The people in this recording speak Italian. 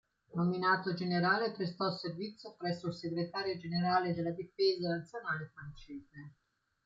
Nominato generale prestò servizio presso il Segretario Generale della Difesa Nazionale francese.